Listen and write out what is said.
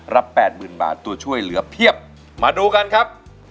รับ๘๐๐๐๐บาทตัวช่วยเหลือเพียบมาดูกันครับ